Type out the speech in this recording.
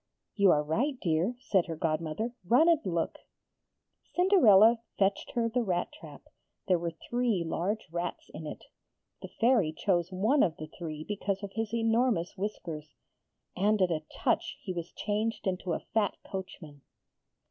'You are right, dear,' said her godmother; 'run and look.' Cinderella fetched her the rat trap. There were three large rats in it. The Fairy chose one of the three because of his enormous whiskers, and at a touch he was changed into a fat coachman.